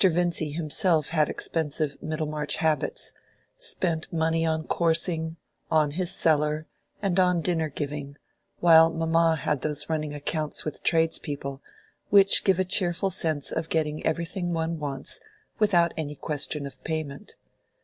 Vincy himself had expensive Middlemarch habits—spent money on coursing, on his cellar, and on dinner giving, while mamma had those running accounts with tradespeople, which give a cheerful sense of getting everything one wants without any question of payment.